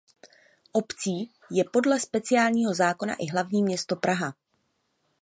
Obcí je podle speciálního zákona i hlavní město Praha.